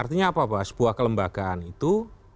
artinya apa pak sebuah kelembagaan itu